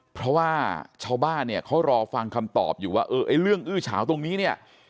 เพราะว่าชาวบ้านเนี่ยเขารอฟังคำตอบอยู่ว่าเออไอ้เรื่องอื้อเฉาตรงนี้เนี่ย